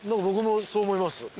僕もそう思います。